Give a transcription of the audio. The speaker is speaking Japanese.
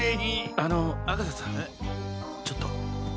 あの阿笠さんちょっと。